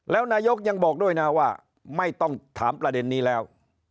แล้วนายกยังบอกด้วยนะว่าไม่ต้องถามประเด็นนี้แล้ว